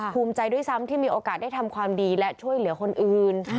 ภูมิใจด้วยซ้ำที่มีโอกาสได้ทำความดีและช่วยเหลือคนอื่น